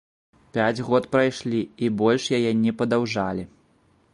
Пяць год прайшлі, і больш яе не падаўжалі.